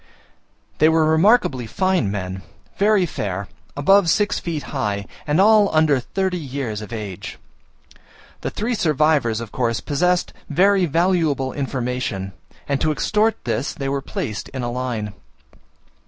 They were remarkably fine men, very fair, above six feet high, and all under thirty years of age. The three survivors of course possessed very valuable information and to extort this they were placed in a line.